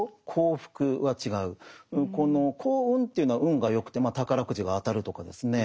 この幸運というのは運がよくてまあ宝くじが当たるとかですね。